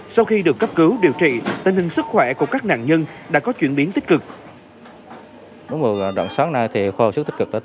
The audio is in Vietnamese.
sau khi được cấp cứu điều trị tình hình sức khỏe của các nạn nhân đã có chuyển biến tích cực